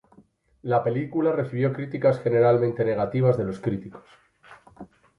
La película recibió críticas generalmente negativas de los críticos.